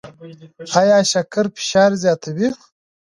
ایا شکر فشار زیاتوي؟